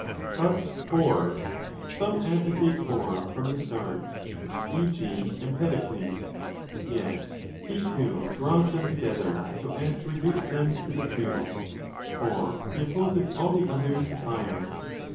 But (iv) some advocate four from the start, 20 e.g. Empedokles: yet he too draws them together so as to reduce them to ¢he two, for he opposes all the others to Fire.